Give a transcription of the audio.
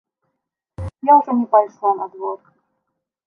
Я ўжо не пайшла на двор.